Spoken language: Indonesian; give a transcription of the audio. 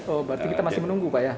oh berarti kita masih menunggu pak ya